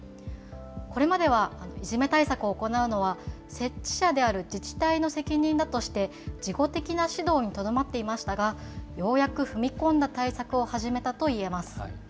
これまではいじめ対策を行うのは、設置者である自治体の責任だとして、事後的な指導にとどまっていましたが、ようやく踏み込んだ対策を始めたといえます。